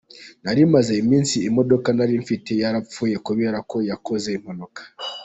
Nari maze iminsi imodoka nari mfite yarapfuye kubera ko yakoze impanuka.